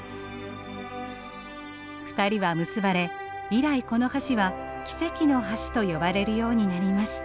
２人は結ばれ以来この橋は奇跡の橋と呼ばれるようになりました。